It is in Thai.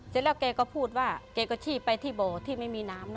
เสร็จแล้วแกก็พูดว่าแกก็ชี้ไปที่บ่อที่ไม่มีน้ำ